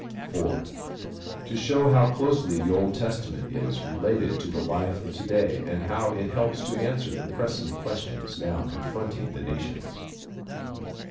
(4) To show how closely the Old Testament is related to the life of to day and how it helps to answer the pressing questions now confronting the nations.